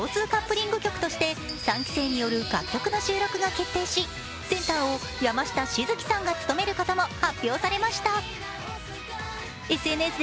実は今作、共通カップリング曲として３期生による楽曲の収録が決定しセンターを山下瞳月さんが務めることも発表されました。